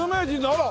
あら！